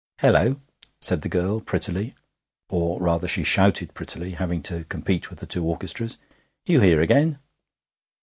''Ello!' said the girl prettily (or, rather, she shouted prettily, having to compete with the two orchestras). 'You here again?'